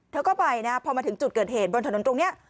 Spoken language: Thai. เธอก็ไปนะพอมาถึงจุดเกิดเหตุบนถนนตรงนี้